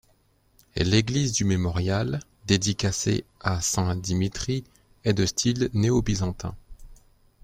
L'église du mémorial, dédicacée à Saint Dimitri, est de style néo-byzantin.